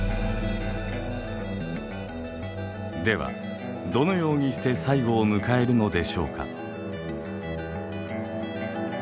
ではどのようにして最後を迎えるのでしょうか。